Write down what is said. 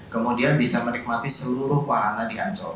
kemudian bisa menikmati seluruh wahana di ancol